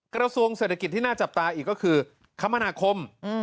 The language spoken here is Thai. กระทรวงเศรษฐกิจที่น่าจับตาอีกก็คือคมนาคม